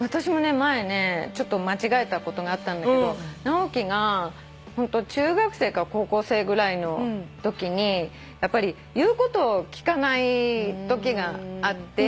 前ねちょっと間違えたことがあったんだけど直樹が中学生か高校生ぐらいのときにやっぱり言うことを聞かないときがあって。